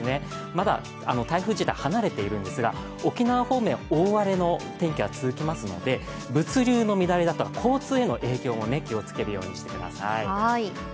まだ台風自体は離れているんですが、沖縄方面、大荒れの天気は続きますので物流の乱れや交通への影響も気をつけるようにしてください。